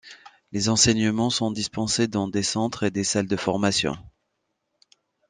Les enseignements sont dispensés dans des centres et des salles de formation.